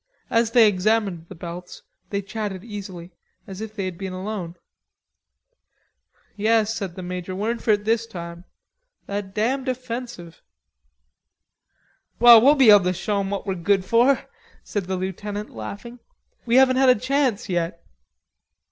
As they examined the belts, they chatted easily, as if they had been alone. "Yes," said the major. "We're in for it this time.... That damned offensive." "Well, we'll be able to show 'em what we're good for," said the lieutenant, laughing. "We haven't had a chance yet."